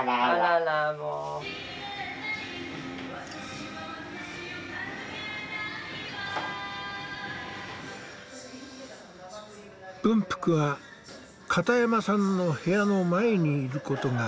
文福は片山さんの部屋の前にいることが増えていた。